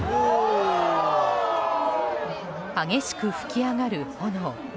激しく噴き上がる炎。